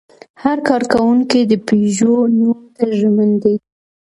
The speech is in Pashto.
هر کارکوونکی د پيژو نوم ته ژمن دی.